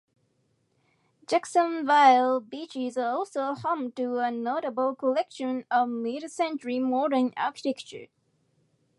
Jacksonville Beach is also home to a notable collection of Mid-Century modern architecture.